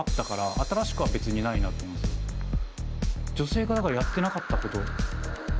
女性がだからやってなかったこと。